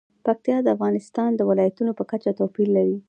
پکتیکا د افغانستان د ولایاتو په کچه توپیر لري.